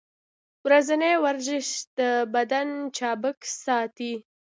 ورځنی ورزش د بدن چابک ساتي.